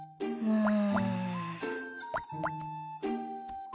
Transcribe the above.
うん。